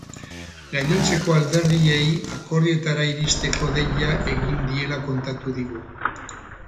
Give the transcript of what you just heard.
Gainontzeko alderdiei akordioetara iristeko deia egin diela kontatu digu.